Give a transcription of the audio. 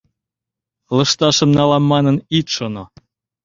Лышташым налам манын, ит шоно.